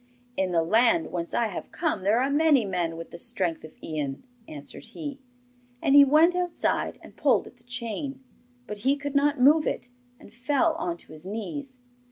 'In the land whence I have come there are many men with the strength of Ian,' answered he. And he went outside and pulled at the chain, but he could not move it, and fell on to his knees.